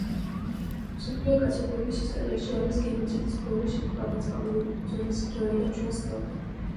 მსოფლიო კაცობრიობის ისტორიაში არის გენოციდის ბევრი შემთხვევა დაწყებული უძველესი დროიდან ჩვენს დრომდე.